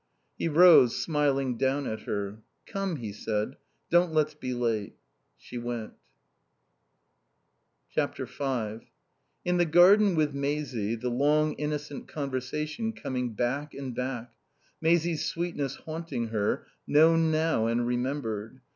He rose, smiling down at her. "Come," he said. "Don't let's be late." She went. v In the garden with Maisie, the long innocent conversation coming back and back; Maisie's sweetness haunting her, known now and remembered.